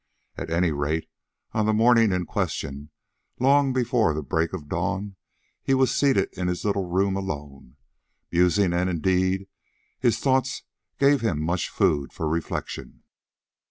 At any rate, on the morning in question, long before the break of dawn, he was seated in his little room alone, musing; and indeed his thoughts gave him much food for reflection.